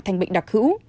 thành bệnh đặc hữu